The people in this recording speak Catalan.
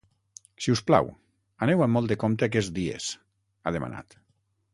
Si us plau, aneu amb molt de compte aquests dies, ha demanat.